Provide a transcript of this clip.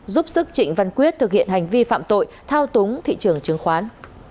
giúp sức trịnh văn quyết thực hiện hành vi phạm tội thao túng thị trường chứng khoán